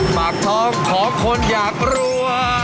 ปากท้องของคนอยากรัว